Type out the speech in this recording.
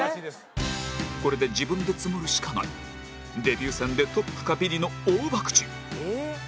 これで自分でツモるしかないデビュー戦でトップかビリの大博打